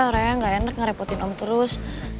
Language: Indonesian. orangnya gak enak ngerepotin om terus